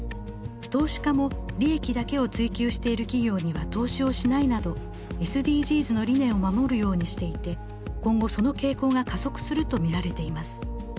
投資家も利益だけを追求している企業には投資をしないなどＳＤＧｓの理念を守るようにしていて今後その傾向が加速すると見られています。